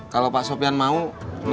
kalau pak sofian mau nulis aja sendiri